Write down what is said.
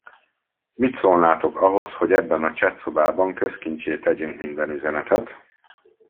Mit szólnátok ahhoz, hogy ebben a chat szobában közkinccsé tegyünk minden üzenetet?